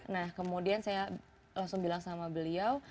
nah kemudian saya langsung bilang sama beliau